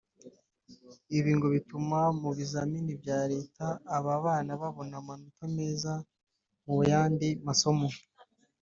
Ibi ngo bituma mu bizamini bya Leta aba bana babona amanota meza mu yandi masomo